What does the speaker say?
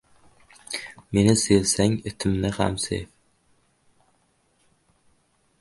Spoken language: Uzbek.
• Meni sevsang, itimni ham sev.